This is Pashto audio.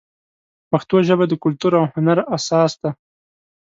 پښتو ژبه د کلتور او هنر اساس دی.